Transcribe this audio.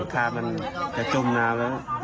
คามันจะจมน้ำแล้ว